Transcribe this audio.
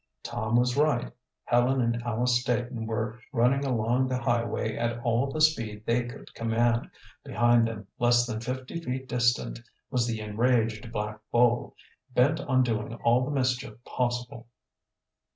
Tom was right, Helen and Alice Staton were running along the highway at all the speed they could command. Behind them, less than fifty feet distant, was the enraged black bull, bent on doing all the mischief possible.